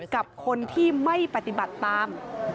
กับคนที่ไม่ปฏิบัติตาม